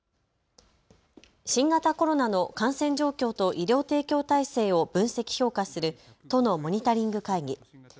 新型コロナの感染状況と医療提供体制を分析・評価する都のモニタリング会議。